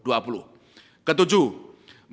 memperkuat kebijakan sistem pembayaran